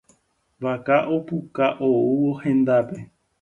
Vaka opuka oúvo hendápe.